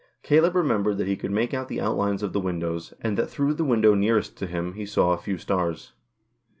Caleb remembered that he could make out the outlines of the windows, and that through the window nearest to him he saw a few stars.